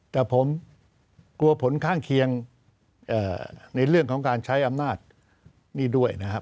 แต่ผมกลัวผลข้างเคียงในเรื่องของการใช้อำนาจนี่ด้วยนะครับ